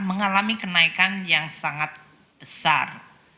mengalami kenaikan yang sangat besar